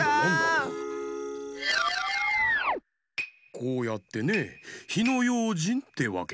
こうやってね「ひのようじん」ってわけさ。